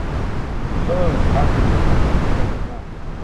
เฮ้อ ฉันไม่ใส่ใจเรื่องนั้นมาก